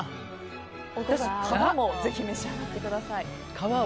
皮もぜひ召し上がってください。